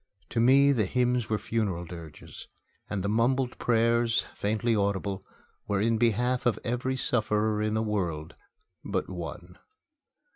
To me the hymns were funeral dirges; and the mumbled prayers, faintly audible, were in behalf of every sufferer in the world but one.